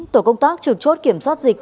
tổ công tác trực chốt kiểm soát dịch